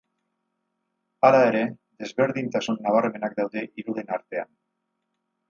Hala ere, desberdintasun nabarmenak daude hiruren artean.